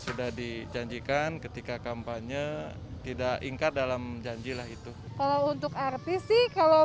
sudah dijanjikan ketika kampanye tidak ingkar dalam janji lah itu kalau untuk artis sih kalau